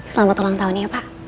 selamat ulang tahun ya pak